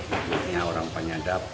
itu punya orang penyadap